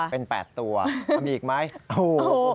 เป็น๘ตัวมีอีกไหม